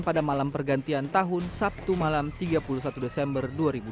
pada malam pergantian tahun sabtu malam tiga puluh satu desember dua ribu dua puluh